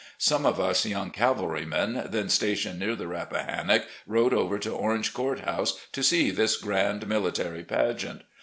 Some of us young cavalrymen, then stationed near the Rappahannock, rode over to Orange Court House to see this grand military pageant.